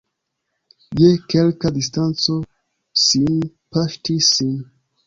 Je kelka distanco sin paŝtis Sim.